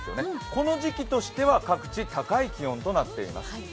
この時期としては各地高い気温となっています。